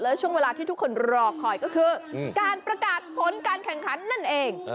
และช่วงเวลาที่ทุกคนรอคอยก็คือการประกาศผลการแข่งขันนั่นเอง